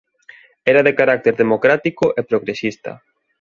Era de carácter democrático e progresista.